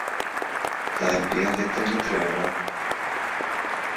Табе гэта не трэба.